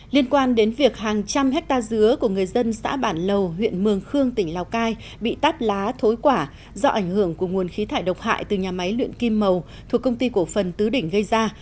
liên quan đến việc hàng trăm hectare dứa của người dân xã bản lầu huyện mường khương tỉnh lào cai bị tát lá thối quả do ảnh hưởng của nguồn khí thải độc hại từ nhà máy luyện kim màu thuộc công ty cổ phần tứ đỉnh gây ra